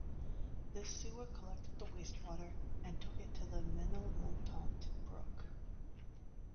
This sewer collected the wastewater and took it to the "Menilmontant brook".